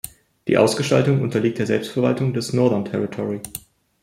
Die Ausgestaltung unterliegt der Selbstverwaltung des Northern Territory.